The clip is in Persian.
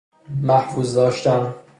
محفوظ داشتن